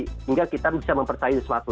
sehingga kita bisa mempercayai sesuatu